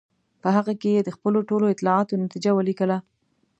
په هغه کې یې د خپلو ټولو اطلاعاتو نتیجه ولیکله.